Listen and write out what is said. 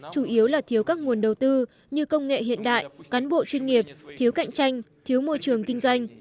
chủ yếu là thiếu các nguồn đầu tư như công nghệ hiện đại cán bộ chuyên nghiệp thiếu cạnh tranh thiếu môi trường kinh doanh